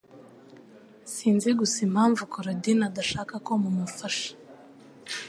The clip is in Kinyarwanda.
Sinzi gusa impamvu Korodina adashaka ko mumufasha